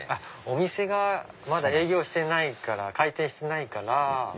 お店がまだ営業してないから開店してないから。